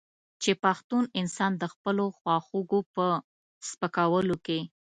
چې پښتون انسان د خپلو خواخوږو په سپکولو کې.